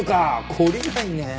懲りないねえ。